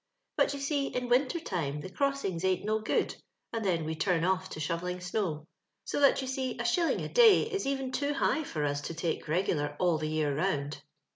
But, you see, in winter time the crossings ain't no good, and then we turn off to shovelling snow ; so that, you see, a shilling a* day is even too high for us to take regular all the year round.